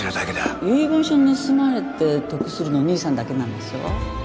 遺言書盗まれて得するの兄さんだけなんでしょう？